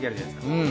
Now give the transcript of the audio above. うん。